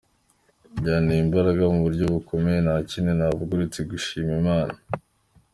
Byanteye imbaraga mu buryo bukomeye, nta kindi navuga uretse gushima Imana.